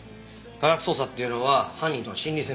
科学捜査っていうのは犯人との心理戦なんだ。